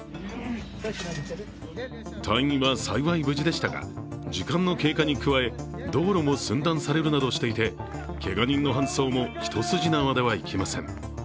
隊員は幸い無事でしたが、時間の経過に加え、道路も寸断されるなどしていてけが人の搬送も一筋縄ではいきません。